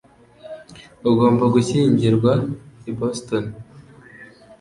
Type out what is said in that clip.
Ugomba gushyingirwa i Boston